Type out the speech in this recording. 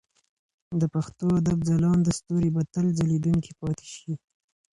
د پښتو ادب ځلانده ستوري به تل ځلېدونکي پاتې شي.